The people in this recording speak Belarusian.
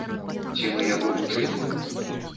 Ці мы яго вучылі?